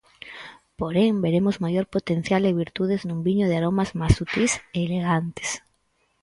Porén, veremos maior potencial e virtudes nun viño de aromas máis sutís e elegantes.